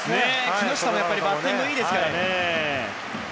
木下はバッティングもいいですからね。